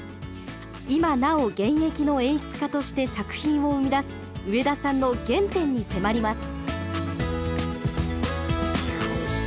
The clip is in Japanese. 今なお現役の演出家として作品を生み出す植田さんの原点に迫ります。